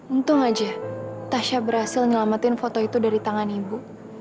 untung aja tasya berhasil menyelamatkan foto itu dari tangan ibu